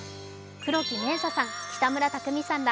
黒木メイサさん、北村匠海さんら